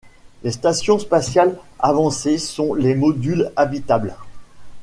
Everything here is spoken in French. Les stations spatiales avancées sont les modules habitables.